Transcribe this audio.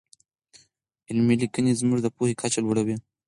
علمي لیکنې زموږ د پوهې کچه لوړوي.